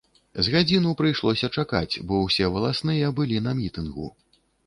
З гадзіну прыйшлося чакаць, бо ўсе валасныя былі на мітынгу.